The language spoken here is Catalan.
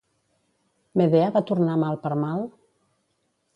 Medea va tornar mal per mal?